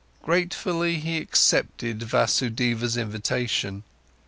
Gratefully, he accepted Vasudeva's invitation.